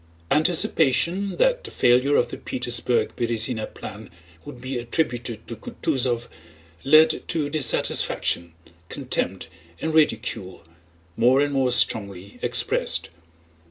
Anticipation that the failure of the Petersburg Berëzina plan would be attributed to Kutúzov led to dissatisfaction, contempt, and ridicule, more and more strongly expressed.